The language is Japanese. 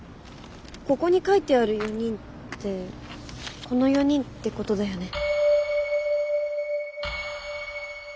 ここに書いてある４人ってこの４人ってことだよね。